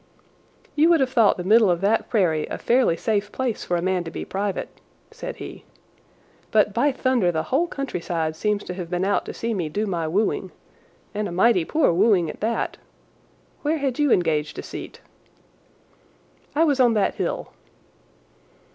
"You would have thought the middle of that prairie a fairly safe place for a man to be private," said he, "but, by thunder, the whole countryside seems to have been out to see me do my wooing—and a mighty poor wooing at that! Where had you engaged a seat?" "I was on that hill."